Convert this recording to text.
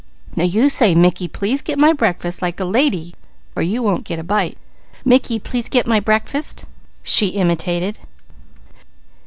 Now you say, 'Mickey, please get my breakfast,' like a lady, or you won't get a bite." "'Mickey, please get my breakfast,'" she imitated.